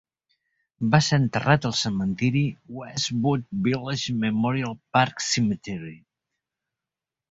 Va ser enterrat al cementiri Westwood Village Memorial Park Cemetery.